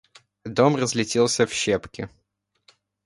Дом разлетелся в щепки.